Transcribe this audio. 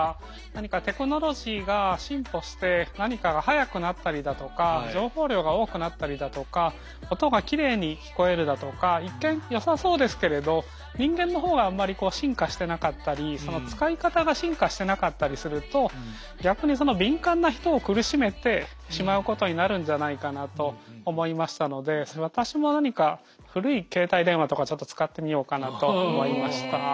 何かテクノロジーが進歩して何かが速くなったりだとか情報量が多くなったりだとか音がきれいに聞こえるだとか一見よさそうですけれど人間の方があんまりこう進化してなかったりその使い方が進化してなかったりすると逆にその敏感な人を苦しめてしまうことになるんじゃないかなと思いましたので私も何か古い携帯電話とかちょっと使ってみようかなと思いました。